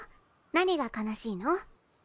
何が悲しいの？